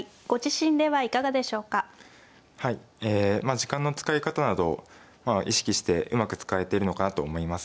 時間の使い方など意識してうまく使えてるのかなと思います。